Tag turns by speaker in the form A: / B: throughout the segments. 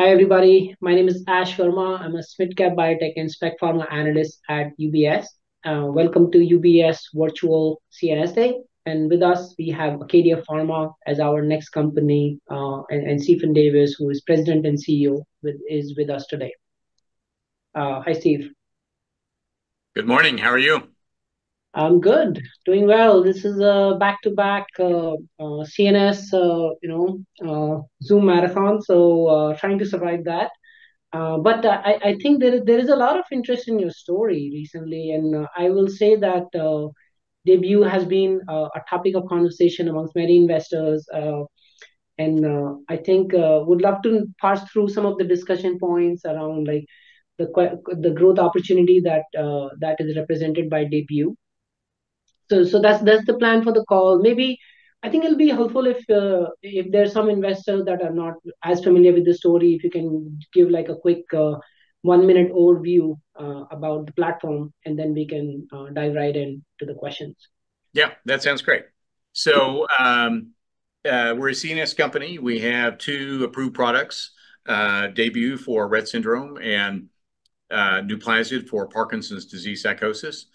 A: Hi everybody, my name is Ash Verma. I'm a SMID Cap Biotech and Spec Pharma analyst at UBS. Welcome to UBS Virtual CNS Day, and with us we have Acadia Pharma as our next company, and Stephen Davis, who is President and CEO, is with us today. Hi Steve.
B: Good morning, how are you?
A: I'm good, doing well. This is a back-to-back CNS Zoom marathon, so trying to survive that. But I think there is a lot of interest in your story recently, and I will say that Daybue has been a topic of conversation amongst many investors. And I think I would love to pass through some of the discussion points around the growth opportunity that is represented by Daybue. So that's the plan for the call. Maybe I think it'll be helpful if there are some investors that are not as familiar with the story, if you can give a quick one-minute overview about the platform, and then we can dive right into the questions.
B: Yeah, that sounds great. So we're a CNS company. We have two approved products: Daybue for Rett syndrome and Nuplazid for Parkinson's disease psychosis.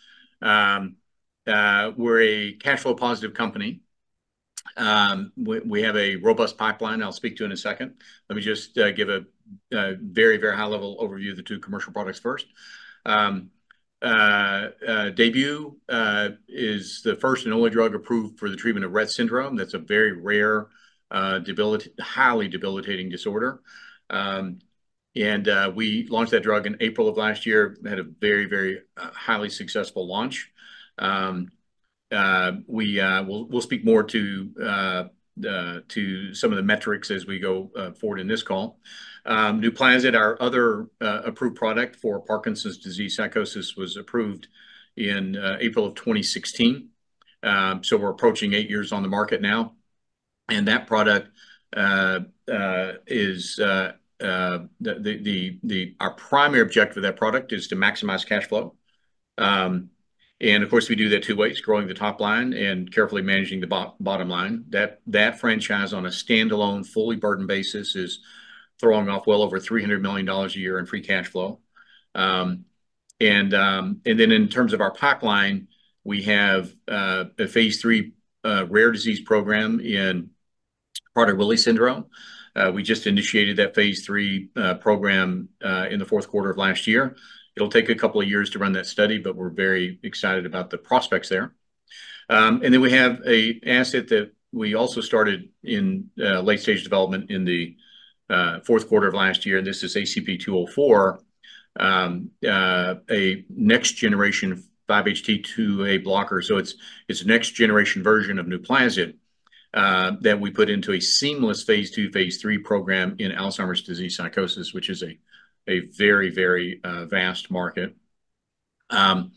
B: We're a cash flow positive company. We have a robust pipeline. I'll speak to it in a second. Let me just give a very, very high-level overview of the two commercial products first. Daybue is the first and only drug approved for the treatment of Rett syndrome. That's a very rare, highly debilitating disorder. And we launched that drug in April of last year, had a very, very highly successful launch. We'll speak more to some of the metrics as we go forward in this call. Nuplazid, our other approved product for Parkinson's disease psychosis, was approved in April of 2016. So we're approaching eight years on the market now. And that product, our primary objective with that product is to maximize cash flow. Of course, we do that two ways: growing the top line and carefully managing the bottom line. That franchise on a standalone, fully burdened basis is throwing off well over $300 million a year in free cash flow. Then in terms of our pipeline, we have a phase 3 rare disease program in Prader-Willi syndrome. We just initiated that phase 3 program in the fourth quarter of last year. It'll take a couple of years to run that study, but we're very excited about the prospects there. Then we have an asset that we also started in late-stage development in the fourth quarter of last year, and this is ACP-204, a next-generation 5-HT2A blocker. So it's a next-generation version of Nuplazid that we put into a seamless phase 2, phase 3 program in Alzheimer's disease psychosis, which is a very, very vast market. And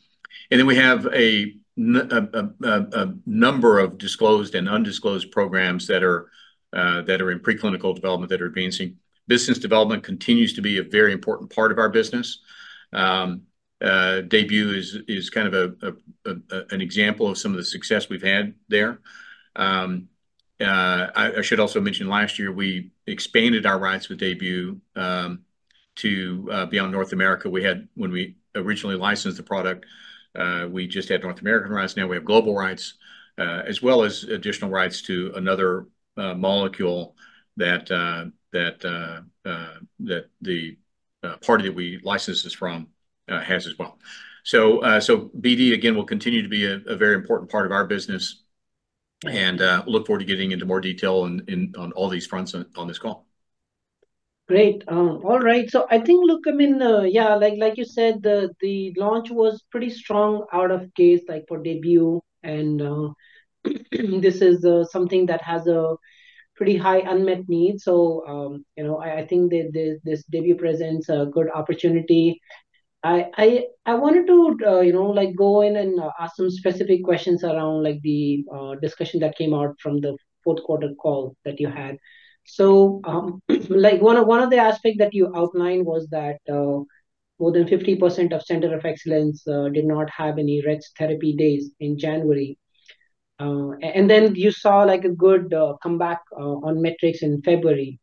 B: then we have a number of disclosed and undisclosed programs that are in preclinical development that are advancing. Business development continues to be a very important part of our business. Daybue is kind of an example of some of the success we've had there. I should also mention last year we expanded our rights with Daybue to beyond North America. When we originally licensed the product, we just had North American rights. Now we have global rights, as well as additional rights to another molecule that the party that we license this from has as well. So BD, again, will continue to be a very important part of our business. And I look forward to getting into more detail on all these fronts on this call.
C: Great. All right. So I think, look, I mean, yeah, like you said, the launch was pretty strong out of the gate for Daybue, and this is something that has a pretty high unmet need. So I think this Daybue presents a good opportunity. I wanted to go in and ask some specific questions around the discussion that came out from the fourth quarter call that you had. So one of the aspects that you outlined was that more than 50% of Centers of Excellence did not have any Rett therapy days in January. And then you saw a good comeback on metrics in February.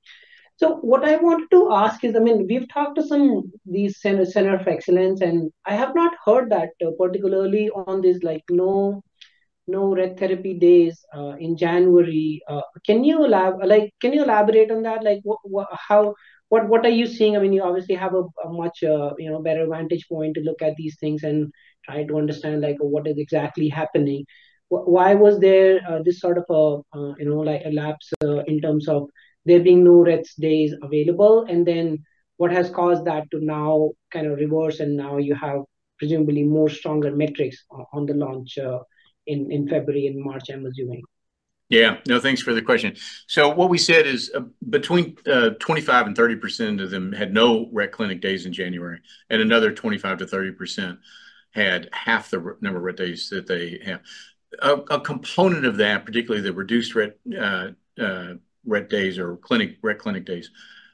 C: So what I wanted to ask is, I mean, we've talked to some of these Centers of Excellence, and I have not heard that particularly on this no Rett therapy days in January. Can you elaborate on that? What are you seeing? I mean, you obviously have a much better vantage point to look at these things and try to understand what is exactly happening. Why was there this sort of a lapse in terms of there being no Rett days available? And then what has caused that to now kind of reverse, and now you have presumably more stronger metrics on the launch in February and March, I'm assuming?
B: Yeah, no, thanks for the question. So what we said is between 25%-30% of them had no Rett clinic days in January, and another 25%-30% had half the number of Rett days that they have. A component of that, particularly the reduced Rett days or clinic Rett clinic days,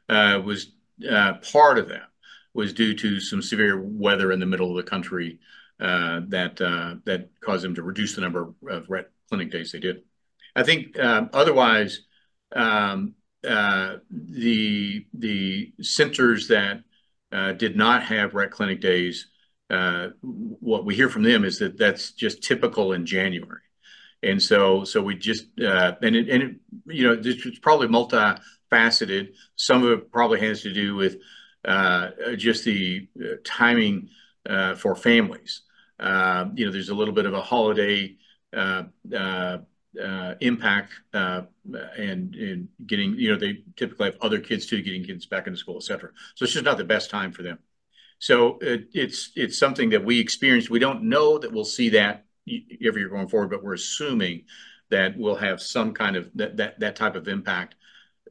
B: part of that was due to some severe weather in the middle of the country that caused them to reduce the number of Rett clinic days they did. I think otherwise, the centers that did not have Rett clinic days, what we hear from them is that that's just typical in January. And so we just and it's probably multifaceted. Some of it probably has to do with just the timing for families. There's a little bit of a holiday impact and getting they typically have other kids too, getting kids back into school, etc. It's just not the best time for them. It's something that we experienced. We don't know that we'll see that every year going forward, but we're assuming that we'll have some kind of that type of impact.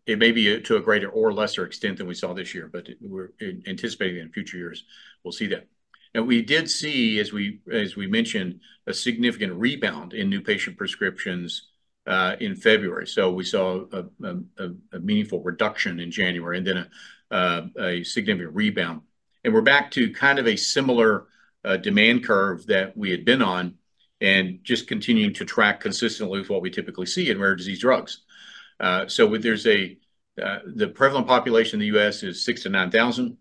B: It may be to a greater or lesser extent than we saw this year, but we're anticipating that in future years, we'll see that. We did see, as we mentioned, a significant rebound in new patient prescriptions in February. We saw a meaningful reduction in January, and then a significant rebound. We're back to kind of a similar demand curve that we had been on, and just continuing to track consistently with what we typically see in rare disease drugs. The prevalent population in the U.S. is 6,000-9,000.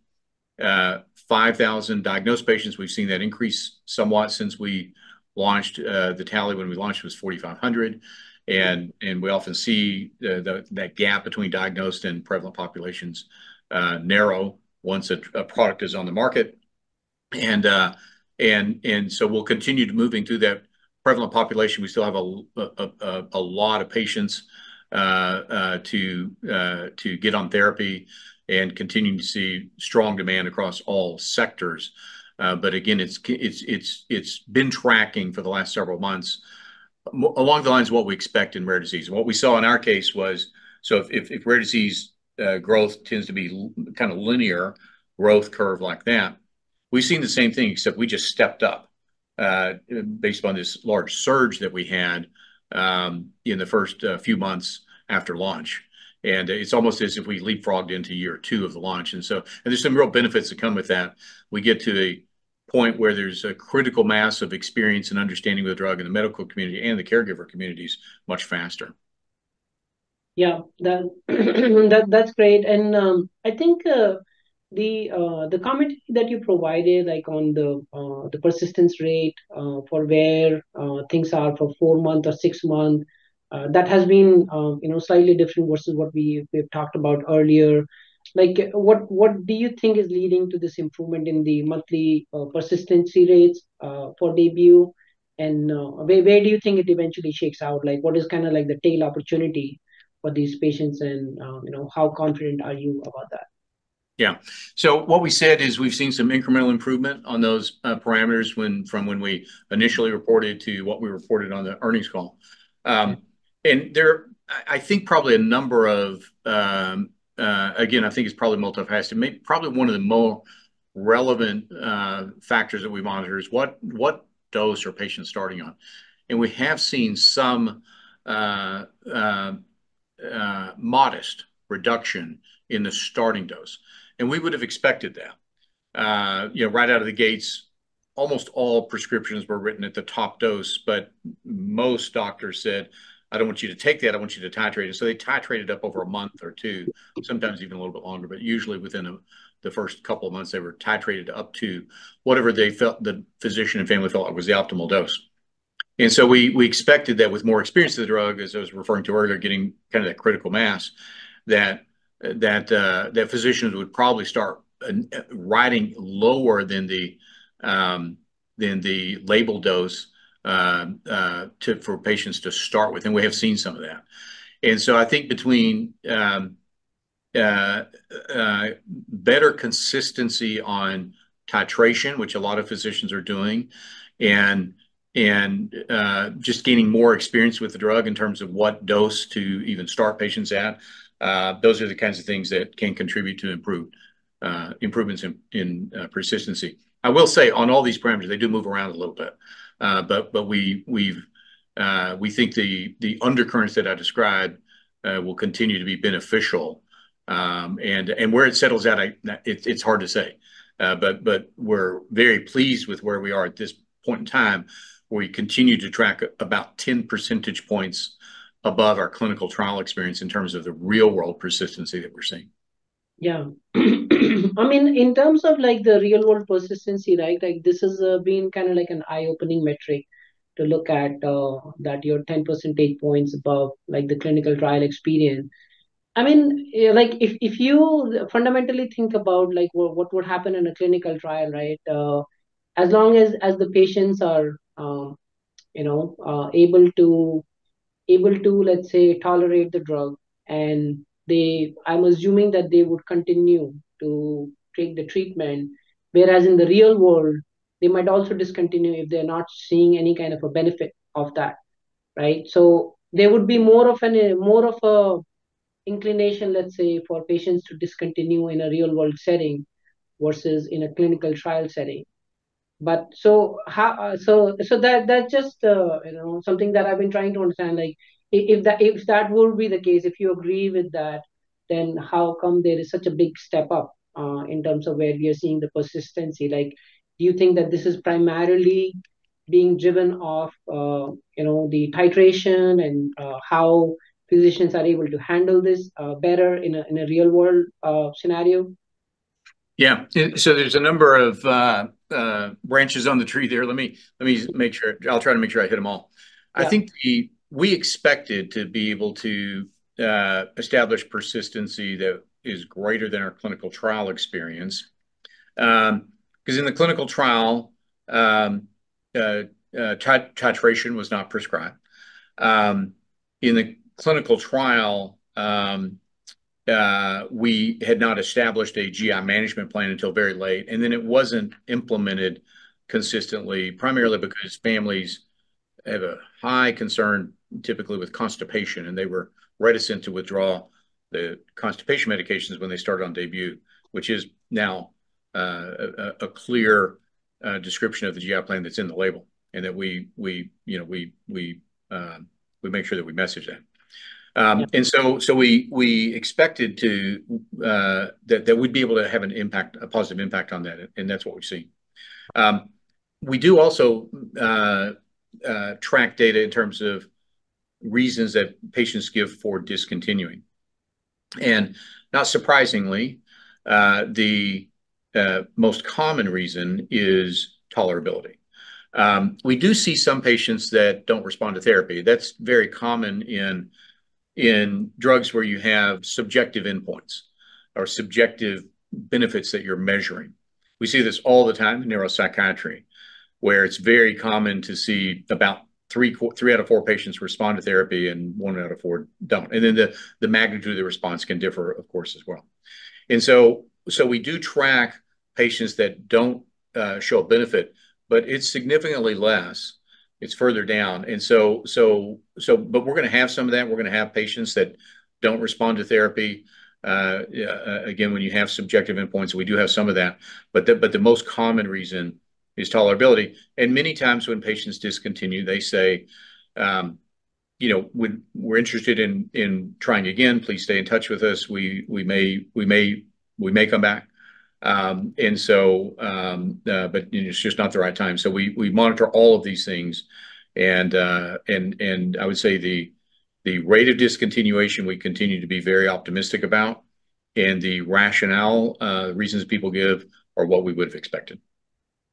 B: 5,000 diagnosed patients. We've seen that increase somewhat since we launched. The tally when we launched was 4,500. We often see that gap between diagnosed and prevalent populations narrow once a product is on the market. So we'll continue moving through that prevalent population. We still have a lot of patients to get on therapy and continue to see strong demand across all sectors. But again, it's been tracking for the last several months along the lines of what we expect in rare disease. What we saw in our case was, so if rare disease growth tends to be kind of linear, growth curve like that, we've seen the same thing, except we just stepped up based upon this large surge that we had in the first few months after launch. It's almost as if we leapfrogged into year two of the launch. There's some real benefits that come with that. We get to a point where there's a critical mass of experience and understanding of the drug in the medical community and the caregiver communities much faster.
C: Yeah, that's great. I think the comment that you provided on the persistence rate for where things are for four months or six months, that has been slightly different versus what we've talked about earlier. What do you think is leading to this improvement in the monthly persistence rates for Daybue? Where do you think it eventually shakes out? What is kind of the tail opportunity for these patients, and how confident are you about that?
B: Yeah, so what we said is we've seen some incremental improvement on those parameters from when we initially reported to what we reported on the earnings call. And there I think probably a number of again, I think it's probably multifaceted. Probably one of the more relevant factors that we monitor is what dose are patients starting on? And we have seen some modest reduction in the starting dose. And we would have expected that. Right out of the gates, almost all prescriptions were written at the top dose, but most doctors said, "I don't want you to take that. I don't want you to titrate it." So they titrated up over a month or 2, sometimes even a little bit longer, but usually within the first couple of months, they were titrated up to whatever the physician and family felt was the optimal dose. And so we expected that with more experience of the drug, as I was referring to earlier, getting kind of that critical mass, that physicians would probably start writing lower than the labeled dose for patients to start with. And we have seen some of that. And so I think between better consistency on titration, which a lot of physicians are doing, and just gaining more experience with the drug in terms of what dose to even start patients at, those are the kinds of things that can contribute to improvements in persistency. I will say, on all these parameters, they do move around a little bit. But we think the undercurrents that I described will continue to be beneficial. And where it settles out, it's hard to say. But we're very pleased with where we are at this point in time, where we continue to track about 10 percentage points above our clinical trial experience in terms of the real-world persistency that we're seeing.
C: Yeah. I mean, in terms of the real-world persistency, this has been kind of an eye-opening metric to look at, that you're 10 percentage points above the clinical trial experience. I mean, if you fundamentally think about what would happen in a clinical trial, as long as the patients are able to, let's say, tolerate the drug, and I'm assuming that they would continue to take the treatment, whereas in the real world, they might also discontinue if they're not seeing any kind of a benefit of that. So there would be more of an inclination, let's say, for patients to discontinue in a real-world setting versus in a clinical trial setting. So that's just something that I've been trying to understand. If that would be the case, if you agree with that, then how come there is such a big step up in terms of where we are seeing the persistency? Do you think that this is primarily being driven off the titration and how physicians are able to handle this better in a real-world scenario?
B: Yeah, so there's a number of branches on the tree there. Let me make sure I'll try to make sure I hit them all. I think we expected to be able to establish persistency that is greater than our clinical trial experience. Because in the clinical trial, titration was not prescribed. In the clinical trial, we had not established a GI management plan until very late. And then it wasn't implemented consistently, primarily because families have a high concern, typically with constipation, and they were reticent to withdraw the constipation medications when they started on Daybue, which is now a clear description of the GI plan that's in the label, and that we make sure that we message that. And so we expected that we'd be able to have a positive impact on that, and that's what we've seen. We do also track data in terms of reasons that patients give for discontinuing. Not surprisingly, the most common reason is tolerability. We do see some patients that don't respond to therapy. That's very common in drugs where you have subjective endpoints or subjective benefits that you're measuring. We see this all the time in neuropsychiatry, where it's very common to see about 3 out of 4 patients respond to therapy and 1 out of 4 don't. Then the magnitude of the response can differ, of course, as well. So we do track patients that don't show a benefit, but it's significantly less. It's further down. We're going to have some of that. We're going to have patients that don't respond to therapy. Again, when you have subjective endpoints, we do have some of that. The most common reason is tolerability. Many times when patients discontinue, they say, "We're interested in trying again. Please stay in touch with us. We may come back." But it's just not the right time. So we monitor all of these things. And I would say the rate of discontinuation, we continue to be very optimistic about, and the rationale, the reasons people give, are what we would have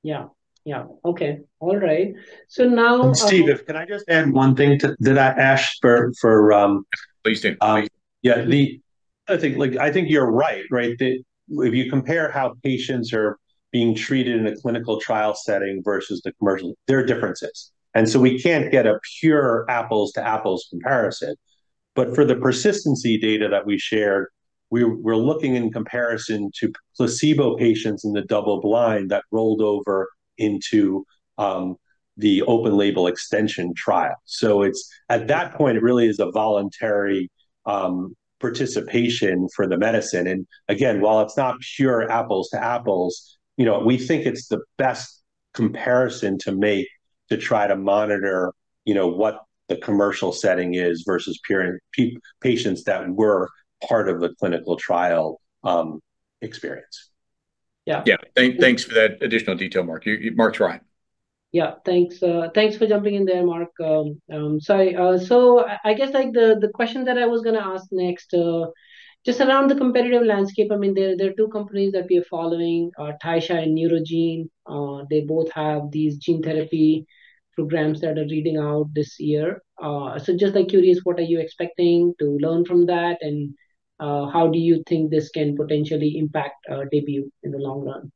B: expected.
C: Yeah, yeah. Okay. All right. So now.
D: Steve, if I can just add one thing? Did I ask for?
B: Please do.
D: Yeah, I think you're right. If you compare how patients are being treated in a clinical trial setting versus the commercial, there are differences. And so we can't get a pure apples-to-apples comparison. But for the persistency data that we shared, we're looking in comparison to placebo patients in the double blind that rolled over into the open-label extension trial. So at that point, it really is a voluntary participation for the medicine. And again, while it's not pure apples-to-apples, we think it's the best comparison to make to try to monitor what the commercial setting is versus patients that were part of the clinical trial experience.
B: Yeah. Yeah, thanks for that additional detail, Mark. Mark's right.
C: Yeah, thanks for jumping in there, Mark. Sorry. So I guess the question that I was going to ask next, just around the competitive landscape, I mean, there are two companies that we are following, Taysha and Neurogene. They both have these gene therapy programs that are reading out this year. So just curious, what are you expecting to learn from that? And how do you think this can potentially impact Daybue in the long run?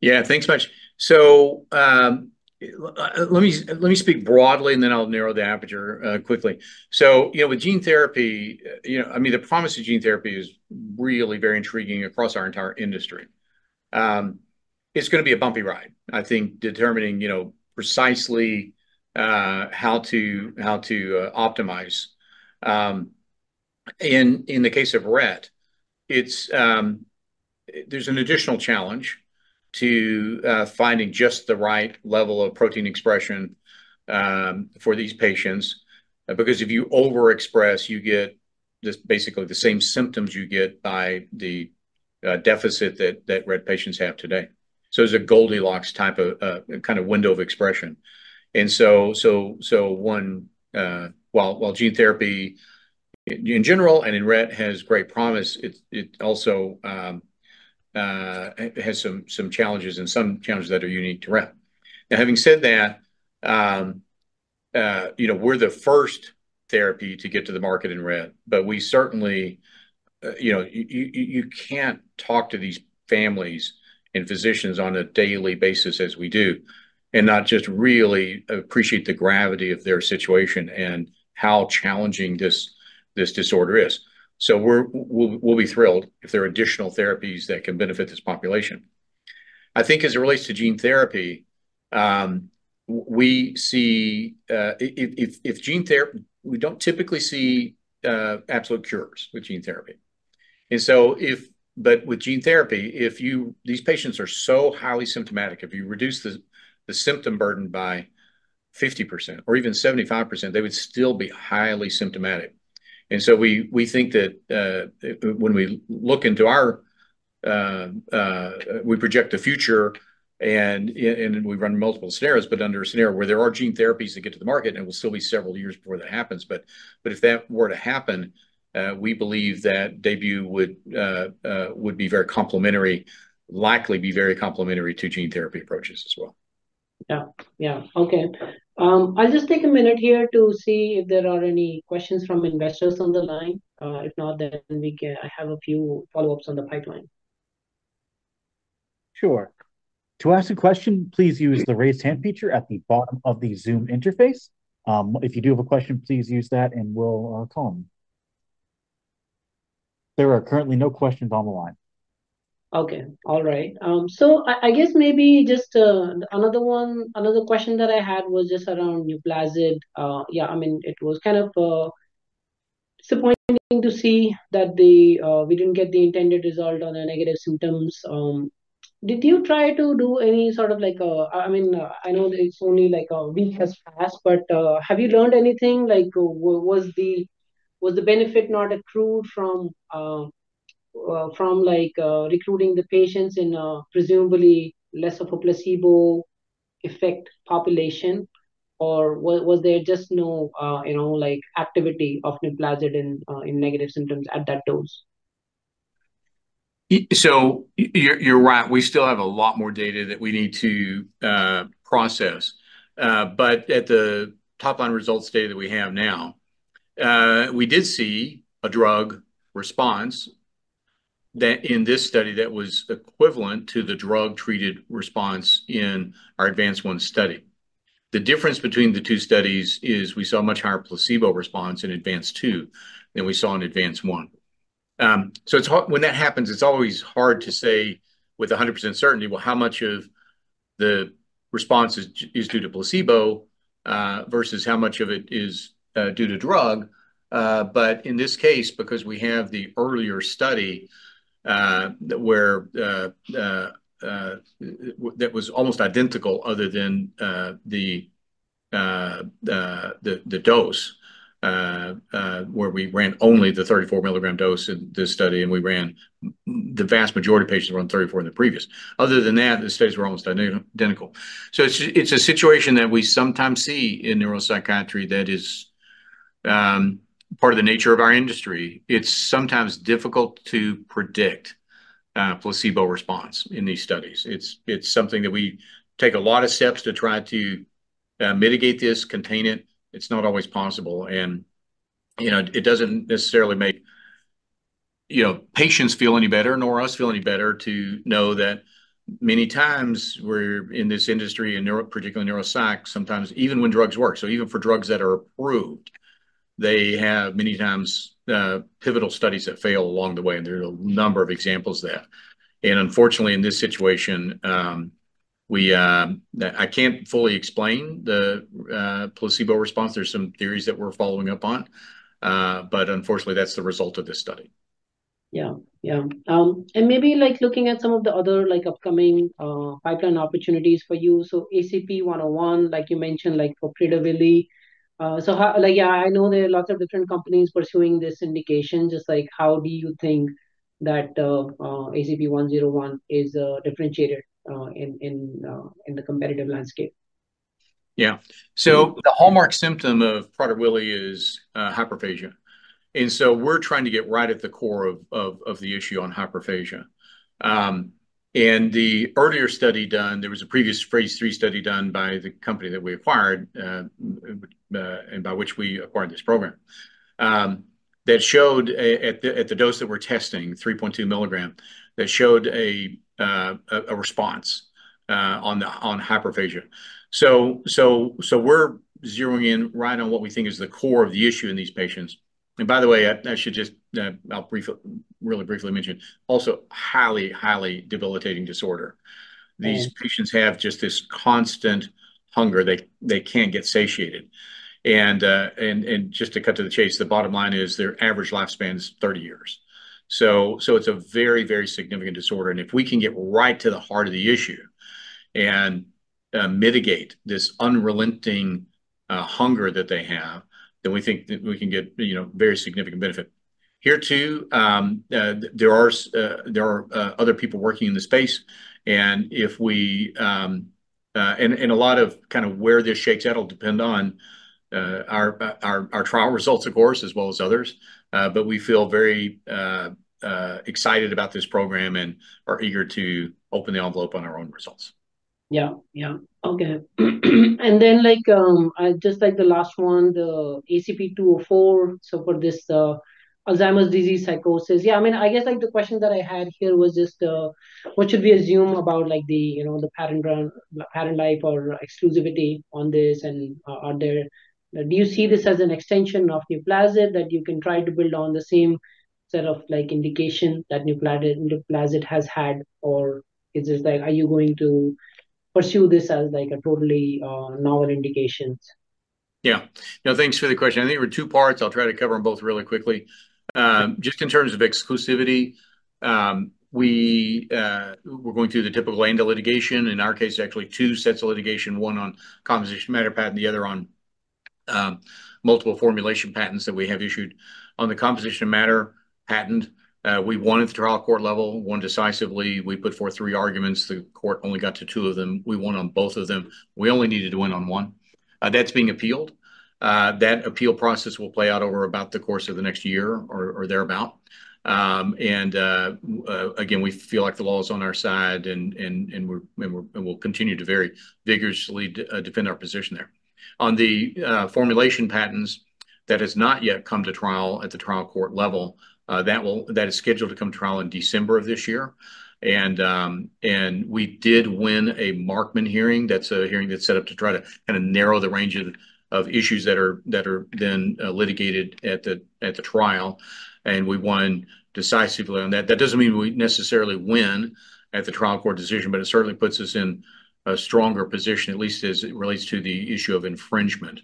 B: Yeah, thanks much. So let me speak broadly, and then I'll narrow the aperture quickly. So with gene therapy, I mean, the promise of gene therapy is really very intriguing across our entire industry. It's going to be a bumpy ride, I think, determining precisely how to optimize. In the case of Rett, there's an additional challenge to finding just the right level of protein expression for these patients. Because if you overexpress, you get basically the same symptoms you get by the deficit that Rett patients have today. So it's a Goldilocks type of kind of window of expression. And so while gene therapy in general and in Rett has great promise, it also has some challenges and some challenges that are unique to Rett. Now, having said that, we're the first therapy to get to the market in Rett, but we certainly you can't talk to these families and physicians on a daily basis as we do and not just really appreciate the gravity of their situation and how challenging this disorder is. So we'll be thrilled if there are additional therapies that can benefit this population. I think as it relates to gene therapy, we don't typically see absolute cures with gene therapy. But with gene therapy, these patients are so highly symptomatic, if you reduce the symptom burden by 50% or even 75%, they would still be highly symptomatic. So we think that when we look into how we project the future, and we run multiple scenarios, but under a scenario where there are gene therapies that get to the market, and it will still be several years before that happens. But if that were to happen, we believe that Daybue would be very complementary, likely very complementary to gene therapy approaches as well.
C: Yeah, yeah. Okay. I'll just take a minute here to see if there are any questions from investors on the line. If not, then I have a few follow-ups on the pipeline.
D: Sure. To ask a question, please use the raised hand feature at the bottom of the Zoom interface. If you do have a question, please use that, and we'll call them. There are currently no questions on the line.
C: Okay. All right. So I guess maybe just another question that I had was just around Nuplazid. Yeah, I mean, it was kind of disappointing to see that we didn't get the intended result on the negative symptoms. Did you try to do any sort of—I mean, I know it's only a week has passed, but have you learned anything? Was the benefit not accrued from recruiting the patients in a presumably less of a placebo effect population, or was there just no activity of Nuplazid in negative symptoms at that dose?
B: So you're right. We still have a lot more data that we need to process. But at the top-line results data that we have now, we did see a drug response in this study that was equivalent to the drug-treated response in our ADVANCE-1 study. The difference between the two studies is we saw a much higher placebo response in ADVANCE-2 than we saw in ADVANCE-1. So when that happens, it's always hard to say with 100% certainty, well, how much of the response is due to placebo versus how much of it is due to drug. But in this case, because we have the earlier study that was almost identical other than the dose, where we ran only the 34-milligram dose in this study, and the vast majority of patients were on 34 in the previous. Other than that, the studies were almost identical. It's a situation that we sometimes see in neuropsychiatry that is part of the nature of our industry. It's sometimes difficult to predict placebo response in these studies. It's something that we take a lot of steps to try to mitigate this, contain it. It's not always possible. It doesn't necessarily make patients feel any better, nor us feel any better to know that many times we're in this industry, particularly neuropsych, sometimes even when drugs work, so even for drugs that are approved, they have many times pivotal studies that fail along the way, and there are a number of examples of that. Unfortunately, in this situation, I can't fully explain the placebo response. There's some theories that we're following up on. Unfortunately, that's the result of this study.
C: Yeah, yeah. And maybe looking at some of the other upcoming pipeline opportunities for you. So ACP 101, like you mentioned, for Prader-Willi. So yeah, I know there are lots of different companies pursuing this indication. Just how do you think that ACP 101 is differentiated in the competitive landscape?
B: Yeah. So the hallmark symptom of Prader-Willi is hyperphagia. So we're trying to get right at the core of the issue on hyperphagia. The earlier study done, there was a previous phase 3 study done by the company that we acquired and by which we acquired this program that showed at the dose that we're testing, 3.2 milligram, that showed a response on hyperphagia. So we're zeroing in right on what we think is the core of the issue in these patients. And by the way, I should just really briefly mention, also, highly, highly debilitating disorder. These patients have just this constant hunger. They can't get satiated. And just to cut to the chase, the bottom line is their average lifespan is 30 years. So it's a very, very significant disorder. And if we can get right to the heart of the issue and mitigate this unrelenting hunger that they have, then we think that we can get very significant benefit. Here too, there are other people working in the space. And where this shakes out will depend on our trial results, of course, as well as others. But we feel very excited about this program and are eager to open the envelope on our own results.
C: Yeah, yeah. Okay. And then just the last one, the ACP-204, so for this Alzheimer's disease psychosis. Yeah, I mean, I guess the question that I had here was just what should we assume about the patent life or exclusivity on this? And do you see this as an extension of Nuplazid that you can try to build on the same set of indication that Nuplazid has had? Or are you going to pursue this as a totally novel indication?
B: Yeah. No, thanks for the question. I think there were two parts. I'll try to cover them both really quickly. Just in terms of exclusivity, we were going through the typical ANDA litigation. In our case, actually, two sets of litigation, one on composition of matter patent, the other on multiple formulation patents that we have issued. On the composition of matter patent, we won at the trial court level. Won decisively. We put forth three arguments. The court only got to two of them. We won on both of them. We only needed to win on one. That's being appealed. That appeal process will play out over about the course of the next year or thereabouts. Again, we feel like the law is on our side, and we'll continue to very vigorously defend our position there. On the formulation patents that have not yet come to trial at the trial court level, that is scheduled to come to trial in December of this year. We did win a Markman hearing. That's a hearing that's set up to try to kind of narrow the range of issues that are then litigated at the trial. We won decisively on that. That doesn't mean we necessarily win at the trial court decision, but it certainly puts us in a stronger position, at least as it relates to the issue of infringement.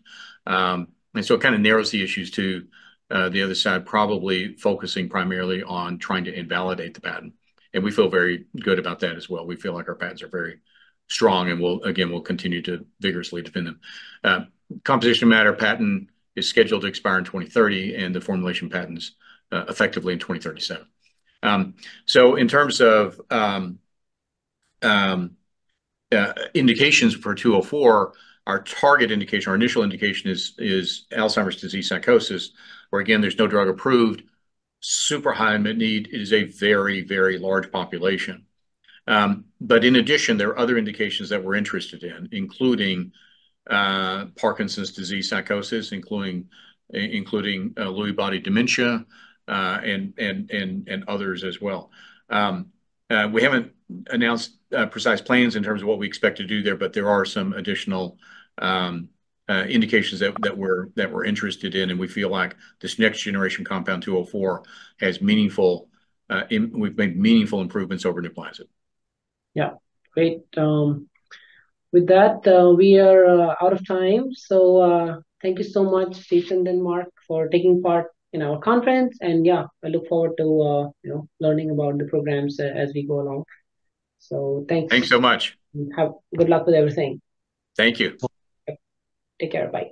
B: So it kind of narrows the issues to the other side, probably focusing primarily on trying to invalidate the patent. We feel very good about that as well. We feel like our patents are very strong, and again, we'll continue to vigorously defend them. Composition of matter patent is scheduled to expire in 2030, and the formulation patents effectively in 2037. So in terms of indications for 204, our target indication, our initial indication is Alzheimer's disease psychosis, where again, there's no drug approved, super high in need. It is a very, very large population. But in addition, there are other indications that we're interested in, including Parkinson's disease psychosis, including Lewy body dementia, and others as well. We haven't announced precise plans in terms of what we expect to do there, but there are some additional indications that we're interested in. And we feel like this next generation compound 204 has meaningful, we've made meaningful improvements over Nuplazid.
C: Yeah. Great. With that, we are out of time. So thank you so much, Stephen and Mark, for taking part in our conference. And yeah, I look forward to learning about the programs as we go along. So thanks.
B: Thanks so much.
C: Good luck with everything.
B: Thank you.
C: Take care. Bye.